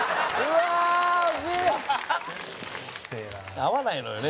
合わないのよね